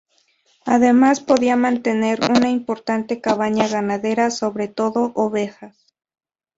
Además, podía mantener una importante cabaña ganadera, sobre todo ovejas.